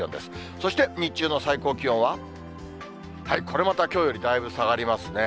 そして日中の最高気温は、これまたきょうよりだいぶ下がりますね。